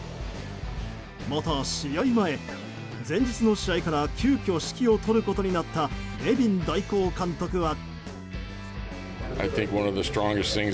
また試合前、前日の試合から急きょ指揮を執ることになったネビン代行監督は。